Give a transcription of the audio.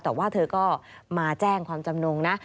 แต่ว่าเธอก็มาแจ้งความจำนงนะ